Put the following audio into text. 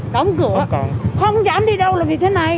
đóng cửa không dám đi đâu là vì thế này